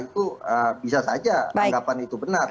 itu bisa saja anggapan itu benar